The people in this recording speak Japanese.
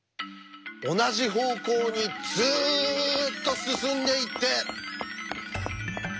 同じ方向にずっと進んでいって。